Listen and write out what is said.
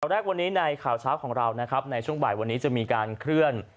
ต่อแรกในข่าวเช้าของเราโรงขาวในช่วงบ่ายวันนี้จะมีการคลื่น